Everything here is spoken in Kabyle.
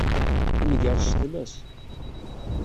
Tenger ccetla-s.